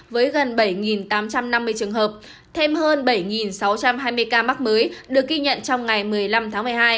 với gần bảy tám trăm năm mươi trường hợp thêm hơn bảy sáu trăm hai mươi ca mắc mới được ghi nhận trong ngày một mươi năm tháng một mươi hai